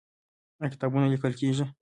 آیا کتابونه لیکل کیږي؟